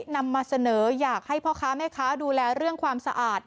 นำมาเสนออยากให้พ่อค้าแม่ค้าดูแลเรื่องความสะอาด